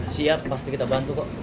siap pasti kita bantu kok